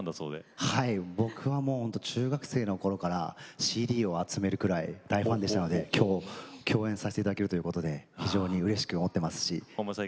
僕は中学生のころからＣＤを集めるくらい大ファンでしたので共演させていただけるということで非常にうれしく思っています。